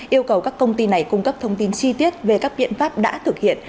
yêu cầu các công ty này cung cấp thông tin chi tiết về các biện pháp đã thực hiện